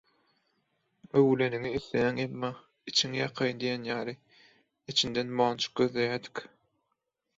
Öwüleniňi isleýäň, emma içiňi ýakaýyn diýen ýaly,... içinden monjuk gözleýädik.